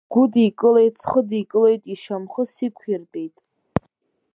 Сгәыдикылт, схыдикылт, ишьамхы сықәиртәеит.